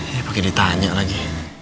ya pake ditanya lagi